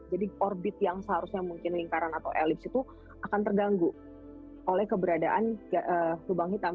jadi orbit yang seharusnya mungkin lingkaran atau elips itu akan terganggu oleh keberadaan lubang hitam